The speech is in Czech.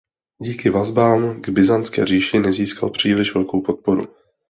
Díky vazbám k Byzantské říši nezískal příliš velkou podporu.